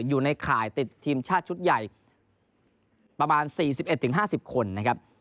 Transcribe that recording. อยู่ในข่ายติดทีมชาติชุดใหญ่ประมาณ๔๑๕๐คนนะครับ